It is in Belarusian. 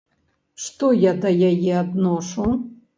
Што я да яе адношу?